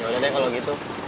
yaudah deh kalau gitu